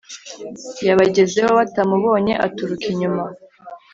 yabagezeho batamubonye aturuka inyuma